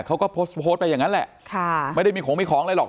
เขาก็โพสต์โพสต์ไปอย่างนั้นแหละค่ะไม่ได้มีของมีของอะไรหรอก